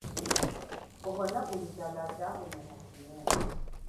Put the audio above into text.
Kuhona kuli tala chakuneha chinyengo.